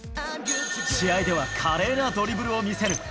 試合では華麗なドリブルを見せる。